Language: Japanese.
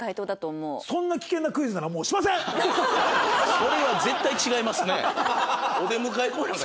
それは絶対違いますね。